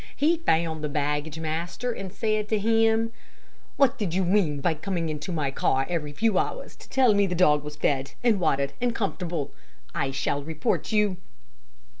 He found the baggage master, and said to him: "What did you mean, by coming into my car every few hours, to tell me that the dog was fed, and watered, and comfortable? I shall report you."